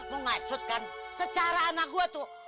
mengaksudkan secara anak gue tuh